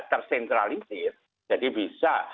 tersentralisir jadi bisa